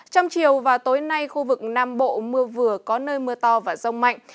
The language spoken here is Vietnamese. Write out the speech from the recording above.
trong chiều và tối nay khu vực nam bộ mưa vừa có nơi mưa to và rông mạnh